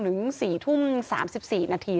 หรือ๔ทุ่ม๓๔นาที